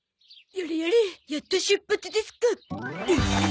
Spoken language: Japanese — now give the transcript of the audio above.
やれやれやっと出発ですか。